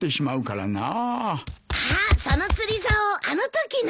あっその釣りざおあのときの。